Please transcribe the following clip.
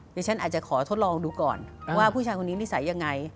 ดิฉันอาจจะขอทดลองดูก่อนว่าผู้ชายคนนี้นิสัยยังไง